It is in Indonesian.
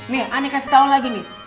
nih aneh kasih tau lagi nih